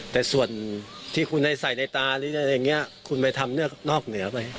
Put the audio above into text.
แต่ส่วนที่คุณให้ใส่ในตาหรืออะไรอย่างนี้คุณไปทำนอกเหนือไป